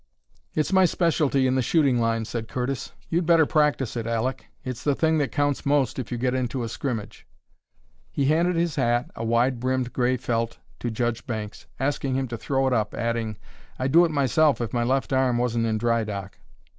"It's my specialty in the shooting line," said Curtis. "You'd better practise it, Aleck. It's the thing that counts most if you get into a scrimmage." He handed his hat, a wide brimmed, gray felt, to Judge Banks, asking him to throw it up, adding, "I'd do it myself if my left arm wasn't in dry dock."